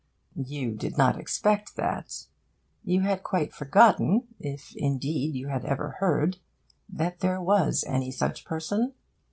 You did not expect that. You had quite forgotten, if indeed you had ever heard, that there was any such person.